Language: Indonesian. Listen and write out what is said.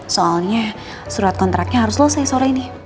soalnya surat kontraknya harus selesai sore ini